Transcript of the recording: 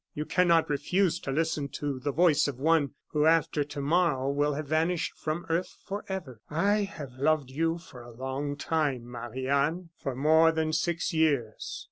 You cannot refuse to listen to the voice of one, who after tomorrow, will have vanished from earth forever. "I have loved you for a long time, Marie Anne, for more than six years.